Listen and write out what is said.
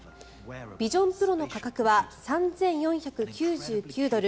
ビジョンプロの価格は３４９９ドル